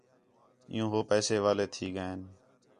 عِیّوں ہو پیسے والے تھی ڳئین